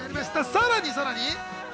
さらにさらに！